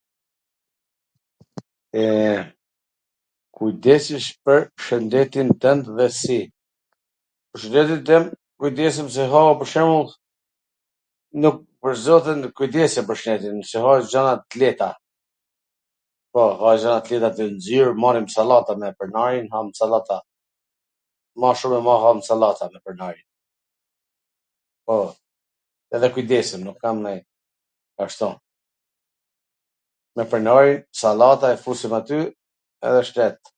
E, kujdesesh pwr shwndetin twnd dhe si? Pwr shwndetin tem kujdesem se ha pwr shembull, nuk, pwr zotin, kujdesem pwr shnetin, se ha gjana t leta, po, ha gjana t leta, ... marrim sallata me pronarin, ham sallata, ma shum e ma ham sallata me pronarin, po, edhe kujdesem, nuk kam nonj... ashtu, me pronarin, sallata, i fusim aty edhe shnet.